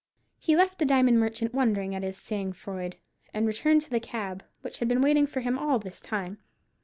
He left the diamond merchant wondering at his sang froid, and returned to the cab, which had been waiting for him all this time.